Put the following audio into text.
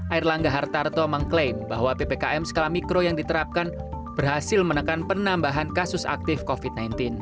air langga hartarto mengklaim bahwa ppkm skala mikro yang diterapkan berhasil menekan penambahan kasus aktif covid sembilan belas